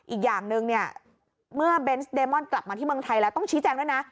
อีกอย่างหนึ่งเนี่ยเมื่อเบนส์เดมอนกลับมาที่เมืองไทยแล้วต้องชี้แจงด้วยนะ